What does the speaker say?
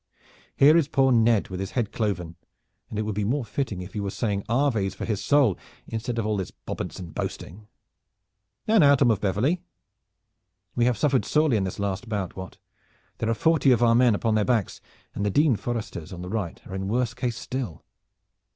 "Here is poor Ned with his head cloven, and it would be more fitting if you were saying aves for his soul, instead of all this bobance and boasting. Now, now, Tom of Beverley?" "We have suffered sorely in this last bout, Wat. There are forty of our men upon their backs, and the Dean Foresters on the right are in worse case still."